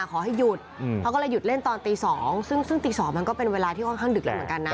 ขอให้หยุดเขาก็เลยหยุดเล่นตอนตี๒ซึ่งตี๒มันก็เป็นเวลาที่ค่อนข้างดึกแล้วเหมือนกันนะ